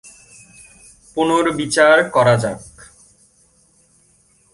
পুনর্বিচার করা যাক।